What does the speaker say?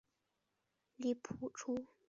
李普出生于湖南湘乡。